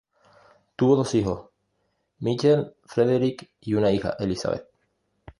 Tuvo dos hijos, Michael y Frederick, y una hija, Elizabeth.